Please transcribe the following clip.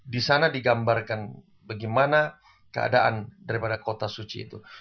disana digambarkan bagaimana keadaan daripada kota suci itu